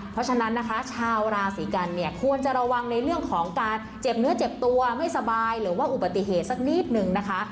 เพราะฉะนั้นนะคะชาวราศีกันเนี่ยควรจะระวังในเรื่องของการเจ็บเนื้อเจ็บตัวไม่สบายหรือว่าอุบัติเหตุสักนิดนึงนะคะ